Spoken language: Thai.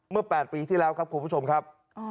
๘ปีที่แล้วครับคุณผู้ชมครับ